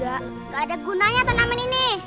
nggak ada gunanya tanaman ini